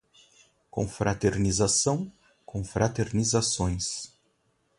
Confraternização, confraternizações